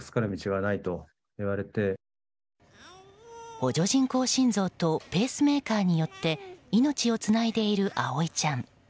補助人工心臓とペースメーカーによって命をつないでいる葵ちゃん。